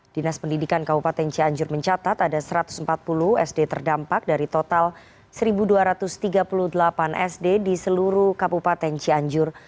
dinas pendidikan kabupaten cianjur mencatat ada satu ratus empat puluh sd terdampak dari total satu dua ratus tiga puluh delapan sd di seluruh kabupaten cianjur